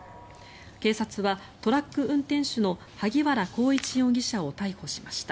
警察はトラック運転手の萩原光一容疑者を逮捕しました。